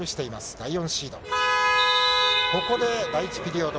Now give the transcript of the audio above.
第４シード。